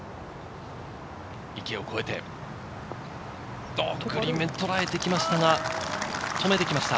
池を越えてグリーンをとらえてきましたが、止めてきました。